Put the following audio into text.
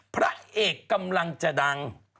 พระเอกกำลังจะดัง